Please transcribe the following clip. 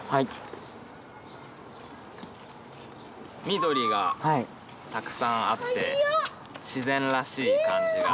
緑がたくさんあって自然らしい感じが。